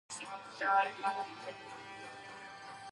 ښکنځل کول د انسان شخصیت خرابوي.